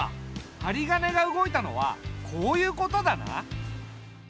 はりがねが動いたのはこういうことだな。